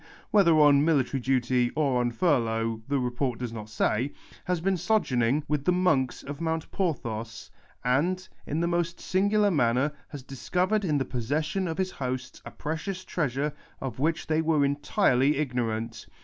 whet her on military duty or on furlough the report does not say, has been sojourning witii the monks of Mount Porthos, and, in the most singidar manner, has discovered in the possession of his hosts a precious treasure of which tluy wrre entin ly ignorarit.